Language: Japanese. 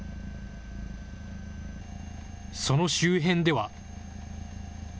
その周辺では。